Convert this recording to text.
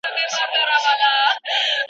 منظم ورزش د بدن غوړ کموي.